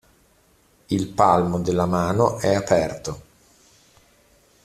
Il palmo della mano è aperto.